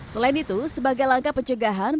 selain itu sebagai langkah pencegahan